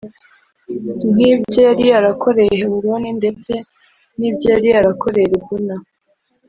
nk ibyo yari yarakoreye Heburoni ndetse n ibyo yari yarakoreye Libuna